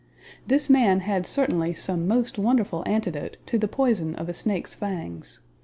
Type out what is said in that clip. This man had certainly some most wonderful antidote to the poison of a snake's fangs.